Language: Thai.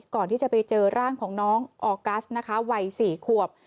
ก่อนที่จะไปเจอร่างของน้องออกัสนะคะวัย๔ขวบ